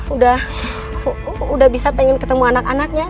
udah bisa pengen ketemu anak anaknya